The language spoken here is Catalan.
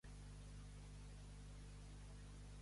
Salardú, vila tancada, els cucuts li fan albada.